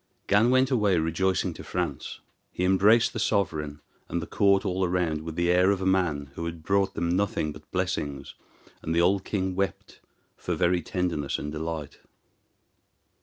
Gan went away rejoicing to France. He embraced the sovereign and the court all round with the air of a man who had brought them nothing but blessings, and the old king wept for very tenderness and delight.